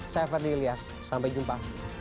saya ferdi ilyas sampai jumpa